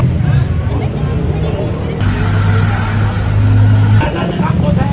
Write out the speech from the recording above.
ดูดักแล้ว